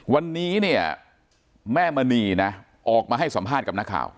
วันนี้เนี่ยแม่มณีนะออกมาให้สัมภาษณ์กับนักข่าว